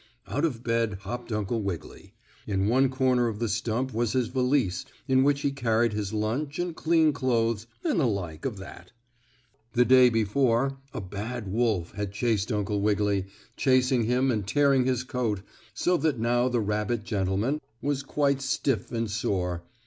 Out of bed hopped Uncle Wiggily. In one corner of the stump was his valise in which he carried his lunch and clean clothes and the like of that. The day before, a bad wolf had chased Uncle Wiggily, catching him and tearing his coat, so that now the rabbit gentleman was quite stiff and sore.